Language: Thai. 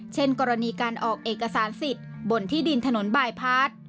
เช่นกรณีการออกเอกสารสิทธิ์บนที่ดินถนนบายพาร์ท